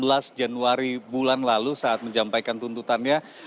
sebelas januari bulan lalu saat menjampaikan tuntutannya